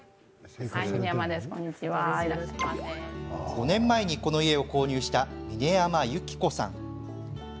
５年前にこの家を購入した峰山由紀子さん。